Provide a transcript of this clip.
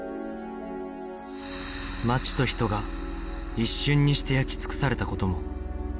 街と人が一瞬にして焼き尽くされた事も